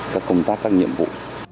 các công tác các nhiệm vụ